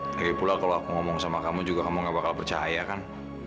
lagi pula kalau aku ngomong sama kamu juga kamu gak bakal percaya kan